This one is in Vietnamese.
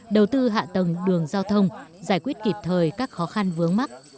đầu tư hạ tầng đường giao thông giải quyết kịp thời các khó khăn vướng mắt